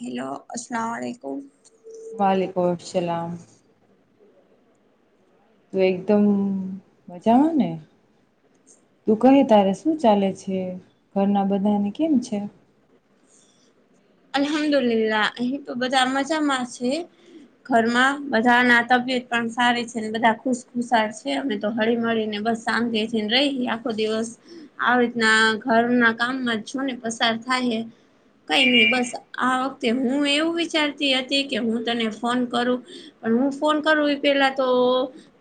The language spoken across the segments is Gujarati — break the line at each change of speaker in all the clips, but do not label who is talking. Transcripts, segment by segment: હેલો અસલામાલીકુમ.
વાલીકુમ અસલાામ. તો એકદમ મજામાં ને? તું કહે તારે શું ચાલે છે ઘરના બધાને કેમ છે?
હ અલહમદુલલા અહી તો બજા મજા મા છે. ઘરમાં બધા ના તબિયત પણ સારી છે બધા ખુશખુશળ છે અને તો હળી મળીને શાંતિ થી રહી આખો દિવસ આવી રીતના ઘરના કામમાં છું ને પસાર ખાઈ લે, કઈ નહી બસ. આ વખતે હું એવું વિચારતી હતી કે હું તને ફોન કરું પણ હું ફોન કરું એટલ પેલા તો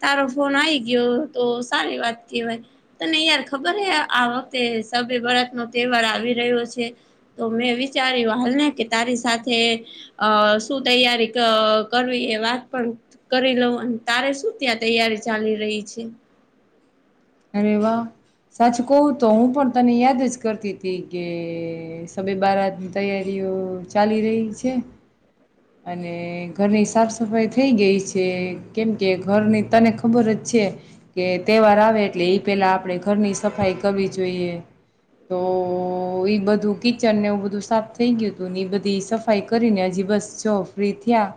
તારો ફોન આવી ગયો તો સારી વાત કેહેવાય તને યાર ખબર હે આ વખતે સભે બરત નો તહેવાર આવી રહ્યો છે. તો મેં વિચાર્યું હાલને કે તારી સાથે અ શું તૈયારી અ કરવી એ વાત પણ કરી લઉ. તારે શું ત્યાં તૈયારી ચાલી રહી છે?
અરે વા. સાચું કહું તો હું પણ તને યાદ જ કરતી હતી કે સબે બારાની તૈયારી ચાલી રહી છે. અને ઘરની સાફ સફાઈ થઈ ગઈ છે. કેમ કે ઘરની તને ખબર જ છે કે તહેવાર આવે એટલે એ પેલા આપણેે ઘરની સફાઈ કરવી જોઈએ. તો બધું કિચનને એવું બધું સાફ થઈ ગયું હતું ને એ બધી સફાઈ કરીને હજી બસ છો ફ્રી થયા.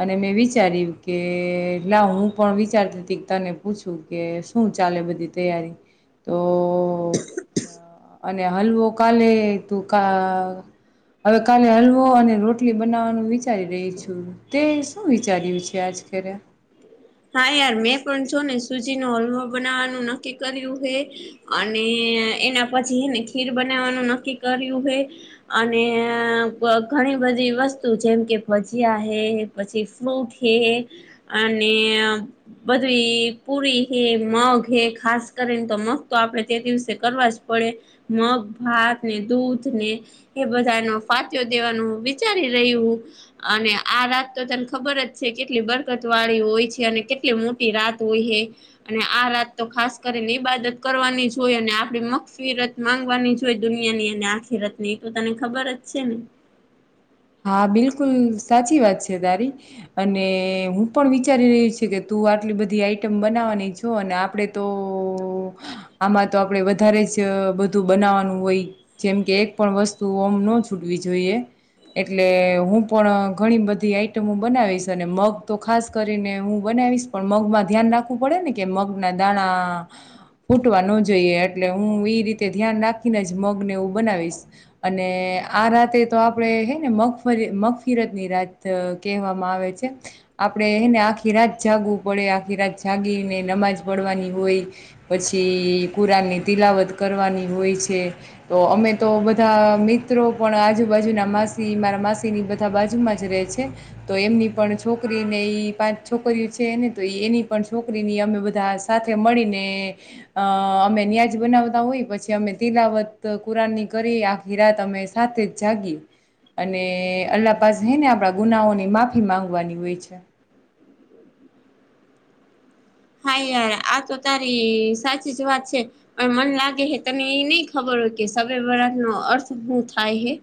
અને મેં વિચાર્યું કે લા હું પણ વિચારતી હતી કે તને પૂછું કે શું છ. ચાલે બધી તૈયારી. તો અને હલવો કાલે તું કા હવે કાલે હલવો અને રોટલી બનાવવાનું વિચારી રહી છું. તે શું વિચાર્યું છે આજ અત્યારે.
હા યાર મેં પણ જો ને સુજી નો હલવો બનાવવાનું નક્કી કર્યું હે અને એના પછી હે ને ખીર બનાવવાનું નકી કર્યું હે અને અ ગણ ઘણી બધી વસ્તુ જેમ કે ભજીયા હે, પછી ફ્રૂટ હે અને બધી પુરી હે, મગ હે ખાસ કરીને તો મગ તો આપડે તે દિવસે કરવા જ પડે. મગ, ભાત ને, દૂધ ને એ બધાનો ફાતયો દેવાનું વિચારી રહ્યું અને આ રાત તો તને ખબર જ છે કેટલી બરકત વાળી હોય છે. અને કેટલી મોટી રાત હોય હે અને આ રાત તો ખાસ કરીને ઈબાદત કરવાની જ હોય અને આપડી મક્ષવી રથ માંગવાની જોઈ દુનિયાની અને આખી રથ ની એ તો તને ખબર જ છે ને. હું [inaudible]
હા બિલકુલ સાચી વાત છે તારી અને હું પણ વિચારી રહી છું કે તું આટલી બધી આઈટમ બનાવવાની જો અને આપડે તો આમાં તો આપણે વધારે જ અ બધું બનાવવાનું હોય જેમ કે એક પણ વસ્તુ ઓમ ન છૂટવી જોઈએ. એટલે હું પણ ઘણી બધી આઈટમો બનાવીશ અને મગ તો ખાસ કરીને હું બનાવી પણ મગમાં ધ્યાન રાખવું પડે ને કે મગ ના દાણા ફૂટવા નો જોઈએ. એટલે હું એ રીતે ધ્યાન રાખીને જ મગ ને એવું બનાવીશ અને આ રાતે તો આપડે મગફ મગફીરત ની રાત કહેવામાં આવે છે આપણેને આખી રાત જાગવ વુ પડે આખી રાત જાગીને નમાજ પડવાની હોય પછી કુરાન ની તિલાવત કરવાની હોય છે. તો અમે તો બધા મિત્રો પણ આજુબાજુના મા મારા માસી ની બધા બાજુમાં જ રહે છે. તો એમની પણ છોકરી ને એ પાંચ છોકરીઓ ને તો એની પણ છોકરીની અમે બધા સાથે મળીને અ અમે ન્યાજ બનાવી. આવતા હોય પછી અમે તિલાવત કુરાન ની કરી આખી રાત અમે સાથે જ જાગી અને અલ્લાહ પાઝ હે ને આપણા ગુનાઓની માફી માંગવાની હોય છે.
હા યાર આ તો તારી સાચી જ વાત છે, પણ મન લાગે હે તને એ નઈ ખબર હો સવે બરા નો અર્થ શું થાય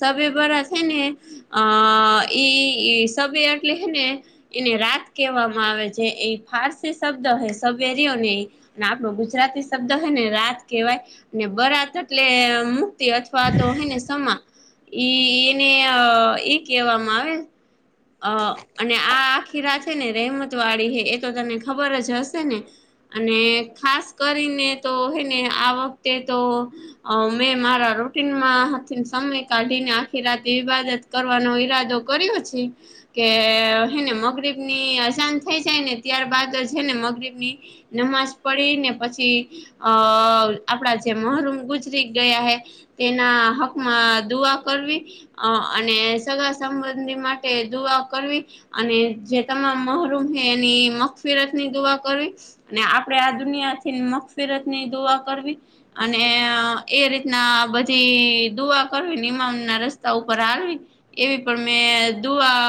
સવે બરા છે, ને આ એ સ એટલે હને એને રાત કહેવામાં આવે છે, એ ખાસ. શબ્દ હે સરઓ ને એ આપણો ગુજરાતી શબ્દ હે ને રાત કહેવાય બરા એટલે મુક્તિ અથવા તો એને સમા એને એ કેહેવામાં આવે. અ અને આ આખી રાત છે ને રહેમત વાળી હે તો તને ખબર જ હશે ને અને ખાસ કરીને તો હે ને આ વખતે તો મેં મારા રૂટીન માંથી સમય કાઢીને આખી રાત વિવાદત કરવાનો હોય. ઈરાદો કર્યો છે, કેને મગરીબ ની અજાન થઈ જાય ને ત્યારબાદ છે ને મગરીબ ની નમાજ પડી ને પછી અ આપડા જે મહુરમ ગુજરી ગયા હે તેના હકમાં દુઆ કરવી અને સગા સંબંધી માટે દુઆ કરવી અને જે તમામ મહરૂમ છે, એની મીરત ની દુઆ કરવી અને આપડે આ દુનિયા થી મકફીરત ની દુઆ કરવી અને એ રીતના બધી દુઆ કરવી ઇમામ ના રસ્તા ઉપર હાલવી. એવી પણ મેં દુઆ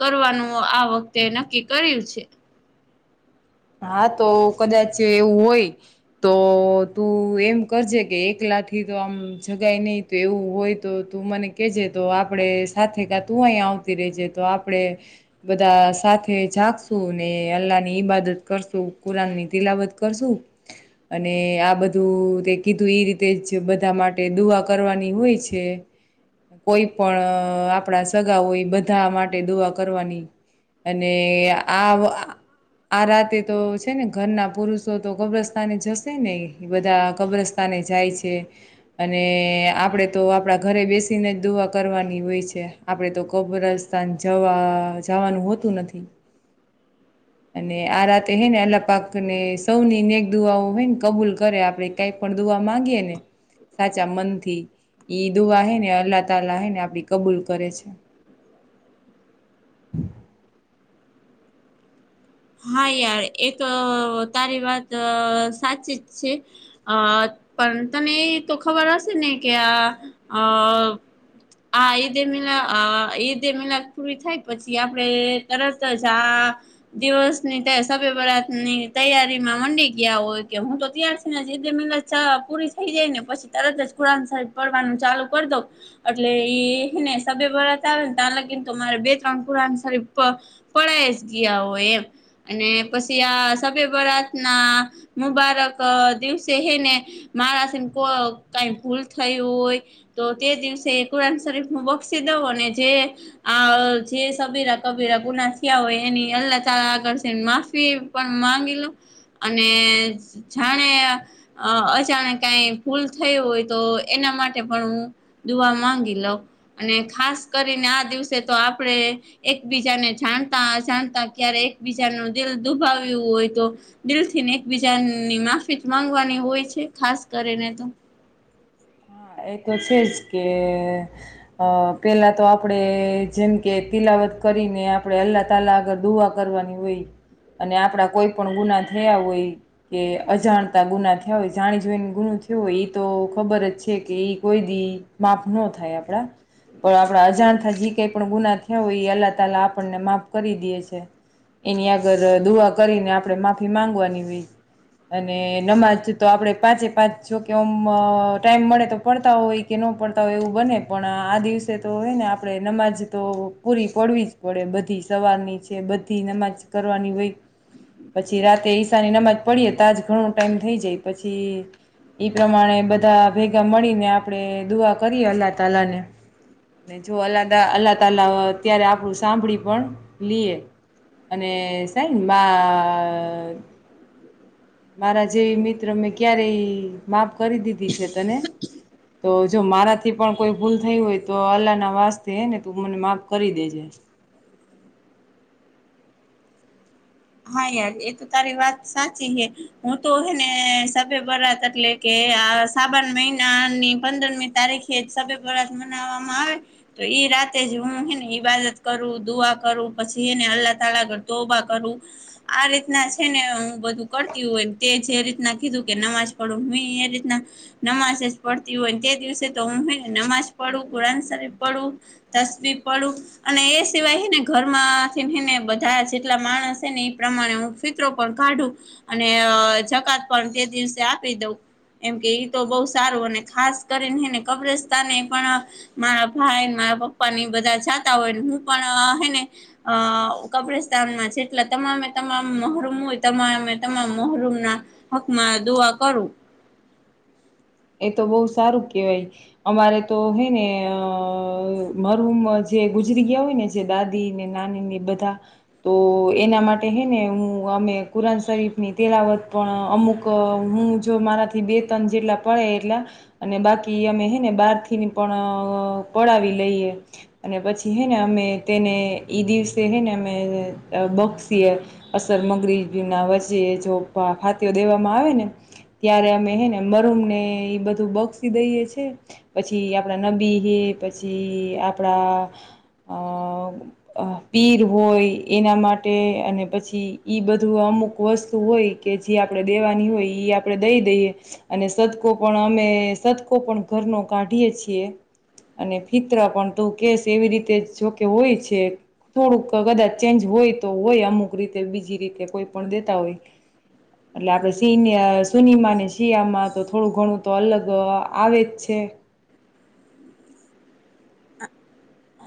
કરવાનું આ વખતે નક્કી કર્યું છે.
હા તો કદાચ એવું હોય તો તું એમ કરજે કે એક લાખ થી તો આમ જગાય નહી તો એવું હોય તો તું મને કેજે તો આપડે સાથે કા તું આવતી રેજે છે તો આપડે બધા સાથે જાગશું ને અલ્લાહ ની ઈબાદત કરશું કુરાન ની તિલાવત કરશું અને આ બધું તે કીધું એ રીતે બધા માટે દુઆ કરવાની હોય છે. કોઈ પણ આપણા સગા હોય બધા માટે દુઆ કરવાની અને આ આ રાતે તો છે ને ઘરના પુરુષો તો કબ્રસ્તાને જશે ને બધા કબ્રસ્તાને જાય છે અને આપડે તો આપડા ઘરે બેસીને જ દુઆ કરવાની હોય છે આપડે તો ક અબરાસ્તાાન જવા જવાનું હોતું નથી
હ
અને આ રાત હે ને આલા પાક ને સૌની નેક દુઆઓ હોય ને કબૂલ કરે આપડે કઈ પણ દુઆવા માંગીએ ને સાચા મન થી ઈદુ હ ને અલ્લાહ તહ હ ને આપડી કબૂલ કરે છે
[inaudible] હા યાર એ તો તારી વાત સાચી જ છે અ પણ તને એ તો ખબર હશે ને કે આ અ આ ઈદે મિના ઈદે મિના પૂરી થાય પછી આપડે તરત જ આ દિવસ ની સેરાત ની તૈયારી માં મંડી ગયા હોય કે હું તો ત્યારથી ને જ મલા ચા પૂરી થઈ જાય ને પછી તરત જ કુરાન સાહેબ પડવાનું ચાલુ કરી દઉ એટલે એને સ આવે ને ત લગીને તો મારે બે ત્રણ પુરાનસરી પડાય જ ગયા હોય એમ અને પછી આ સે બરાત ના મુબારક દિવસે હે ને મારા સમ કો કઈ ભૂલ થયું હોય તો તે દિવસે કુરાન શરીફું બક્ષી દ ને જે આ જે સબીરા કબીરા ગુના થયા હોય એની અલ્લા ત આગળ માફી પણ માંગલું અને જાણે અજાણ ક ફૂલ થય હોય તો એના માટે પણ હું દુવા માંગી લઉ અને ખાસ કરીને આ દિવસે તો આપણે એકબીજાને જાણતા અજાણતા ક્યારે એક બીજા નું દિલ દુભાવ્યું હોય તો દિલ થીને એકબીજાની માફી માંગવાની હોય છે ખાસ કરીને તો
હા એ તો છે જ કે પેલા તો આપડે જેમ કે તિલા મદદ કરીને આપડણે અલ્લા તલા આગળ દુઆ કરવાની હોય. અને આપડા કોઈ પણ ગુના થયા હોય કે અજાણતા ગુના થયા હોય જાણી જોઈને ગુનો થયું હોય ઈ તો ખબર જ છે કે કોઈ દી માફ ન થાય આપડા પણ આપણા અજાણતા જે કઈ પણ ગુના થયા હોય એ અલ્લા તલા આપણને માફ કરી દે છે. એની આગળ દુઆ કરીને આપણે માફી માંગવાની હોય. અને નમાજ તો આપડે પાંચે પાંચ જોકે ઓમ ટાઈમ મળે તો પડતા હોય કે ન પડતા હોય એવું બને પણ આ દિવસે તો હે ને આપણે નમાજ તો પૂરી પા પડવી જ પડે બધી સવારની છે બધી નમાજ કરવાની હોય પછી રાતે ઈશાની નમાજ પડીએ તજ ઘણો ટાઈમ થઈ જાય પછી એ પ્રમાણે બધા ભેગા મળીને આપણેે દુઆ કરીએ અલ્લાહ તલા ને. અને જો અલ્ અલ્લાહ તલા અત્યારે આપણું સાંભળી પણ લિયે. અને સાહેનમાં મારા જેવી મિત્ર મેં ક્યારે માફ કરી દીધી છે તને તો જો મારાથી પણ કોઈ ભૂલ થઈ હોય તો અલ્લાહ ના વાસ તે ને તું મને માફ કરી દેજે. [inaudible]
હા યાર એ તો તારી વાત સાચી હે હું તો હેને સભે બરાત એટલે કે આ સાબણ મહિના ની પંદરમી તારીખે જ સે સવે બારાત મનાવવામાં આવે તો ઈ રાતે જ હું હને ઈબાદત કરું દુઆ કરું પછી એને અલ્લાહ તાલા તોબા કરું. આ આ રીતના છે ને હું બધું કરતી હોય તે જે રીતના કીધું કે નમાજ પડું હું એ રીતના નમાજ જ પડતી હોય તે દિવસે તો હું હે ને નમાજ પડું કુરાન શરીફ પડું તસ્બી પડું અને એ સિવાયને ઘરમાંથીને હે ને બધા જેટલા માણસ ને એ પ્રમાણે હું ફિતરો પણ કાઢું અને જકાત પણ તે દિવસે આપી દઉં એમ કે ઈ તો બહુ સારું અને ખાસ કરી હે ને કબ્રસ્તા ને પણ મારા ભાઈ ના પપ્પા ની બધા જાતા હોયને હું પણ હે ને આ કબ્રસ્તાનમાં જે એટલે તમામે તમામ મહરૂમ હોય તમામે અ તમામ મહરૂમ ના હકમાં દુઆ કરું.
એ તો બહુ સારું કેહેવાય અમારે તો હે ને અ મારુમજ જે ગુજરી ગયા હોય ને જે દાદી ને નાની ને બધા તો એના માટે હે ને હું. અમે કુરાન શરીફની તેલાવત પણ અમુક હું જો મારાથી બે તન જેટલા પડે એટલા અને બાકી અમે હે ને બાર થી પણ પડાવી લઈએ. અને પછી હૈ ને અમે તેને એ દિવસે હૈ ને અમે બક્ષી અસર સમગ્રી ના વચ્ચે જો ફાટીયો દેવામાં આવે ને ત્યારે અમે હે ને મરુમ ને ને એ બધું બક્ષી દઈએ છે પછી આપણા નબીહે પછી આપણા અ પીર હોય એના માટે અને પછી ઈ બધુંમ આમ અમુક વસ્તુ હોય કે જે આપણે દેવાની હોય એ આપણે દઈ દઈએ અને સદ પણ અમે સતકો પણ ઘરનો કાઢીએ છીએ. અને ફિતરા પણ તું કેશ એવી રીતે જોકે હોય છે. થોડુંક કદાચ ચેન્જ હોય તો હોય અમુક રીતે બીજી રીતે કોઈ પણ દેતા હોય. એટલે આપણે સિનયા સુનમા ને શિયામાં તો થોડું ઘણું તો અલગ આવે જ છે.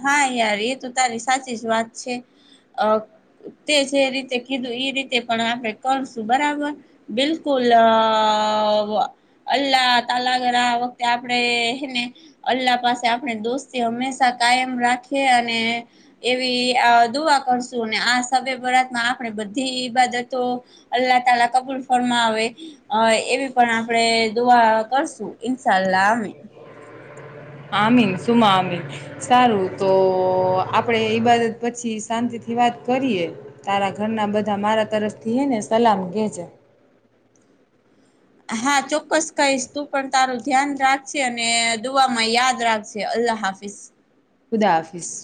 હા યાર એ તો તારી સાચી જ વાત છે અ તે જે રીતે કીધું એ રીતે પણ આપણે કરશું બરાબર બિલકુલ આ વા અલ્લાહ તાલા અગર આ વખતે આપડે હેને અલ્લાહ પાસે આપણે દોસ્તી હંમેશા કાયમ રાખીએ અને એવી આ દુઆ કરશું અને આ સ્ય બરાતમાં આપણે બધી ઈ બાતો અલ્લાહ તલા કબૂલ ફરમાવે અ એવી પણ આપણે દુ દુવા કરશું ઇન્શાલ્લાહ આમીન.
આમીન સુમા આમીન સારું તો આપડે ઈબાદત પછી શાંતિથી વાત કરીએ તારા ઘરના બધા મારા તરફથી હે ને સલામ કહેજે.
[inaudible] હા ચોક્કસ કહીશ તું પણ તારું ધ્યાન રાખશે અને દુવામાં યાદ રાખશે અલ્લાહ હાફિઝ
ખુદા હાફિશ